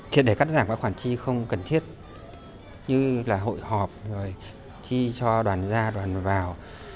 triệt để cắt giảm các khoản tri không cần thiết như là hội họp tri cho đoàn ra đoàn vào